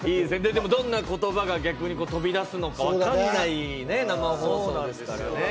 でもどんな言葉が逆に飛び出すのか分からない生放送ですからね。